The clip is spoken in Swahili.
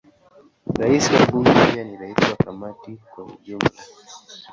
Rais wa Bunge pia ni rais wa Kamati kwa ujumla.